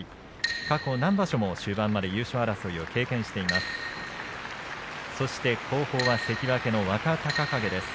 過去、何場所も終盤まで優勝争いを経験しています。